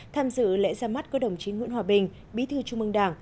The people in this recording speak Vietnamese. tham dự lễ ra mắt có đồng chí nguyễn hòa bình bí thư trung mương đảng